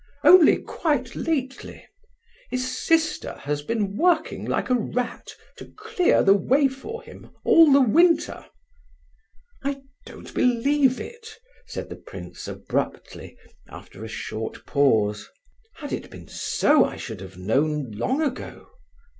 "Only quite lately. His sister has been working like a rat to clear the way for him all the winter." "I don't believe it!" said the prince abruptly, after a short pause. "Had it been so I should have known long ago."